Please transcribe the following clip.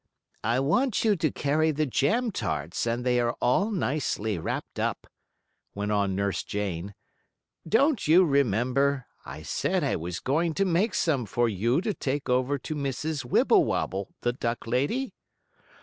"I want you to carry the jam tarts, and they are all nicely wrapped up," went on Nurse Jane. "Don't you remember, I said I was going to make some for you to take over to Mrs. Wibblewobble, the duck lady?"